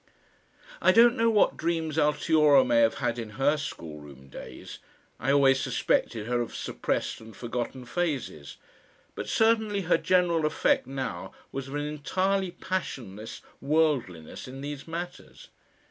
I don't know what dreams Altiora may have had in her schoolroom days, I always suspected her of suppressed and forgotten phases, but certainly her general effect now was of an entirely passionless worldliness in these matters.